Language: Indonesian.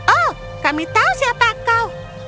oh kami tahu siapa kau